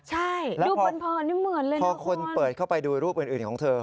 ใช่ดูเป็นพอไม่เหมือนเลยนะครับค่ะพอคุณเปิดเข้าไปดูรูปอื่นของเธอ